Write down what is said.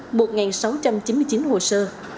lập biên bản qua hình ảnh một sáu trăm chín mươi chín hồ sơ